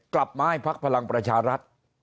กลับมาให้พักพลังประชารัฐ